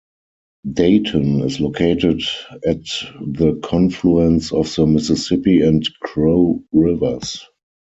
Dayton is located at the confluence of the Mississippi and Crow Rivers.